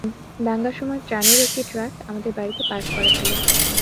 দাঙ্গার সময়, ত্রাণ এর একটি ট্রাক, আমাদের বাড়িতে পার্ক করা ছিল।